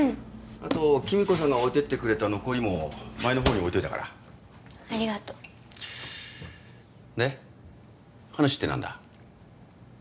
あと貴美子さんが置いていってくれた残りも前のほうに置いといたからありがとうで話って何だ？